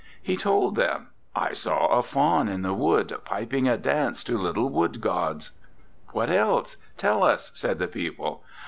He told them: I saw a faun in the wood piping a dance to little wood gods. What else? Tell us ! said the people.